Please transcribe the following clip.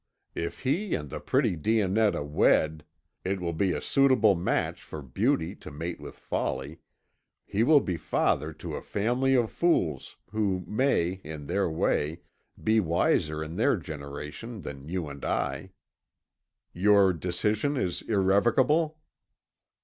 "If he and the pretty Dionetta wed it will be a suitable match for beauty to mate with folly he will be father to a family of fools who may, in their way, be wiser in their generation than you and I. Your decision is irrevocable?"